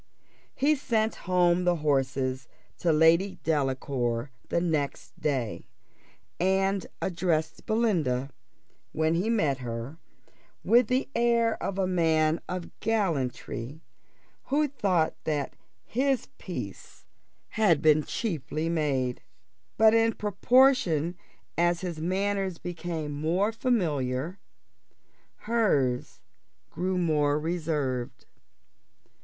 He sent home the horses to Lady Delacour the next day, and addressed Belinda, when he met her, with the air of a man of gallantry, who thought that his peace had been cheaply made. But in proportion as his manners became more familiar, hers grew more reserved.